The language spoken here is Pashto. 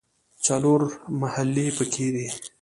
څلور محلې په کې دي.